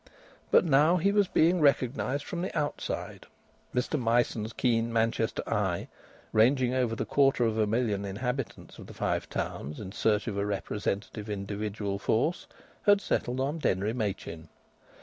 But now he was being recognised from the outside. Mr Myson's keen Manchester eye, ranging over the quarter of a million inhabitants of the Five Towns in search of a representative individual force, had settled on Denry Machin.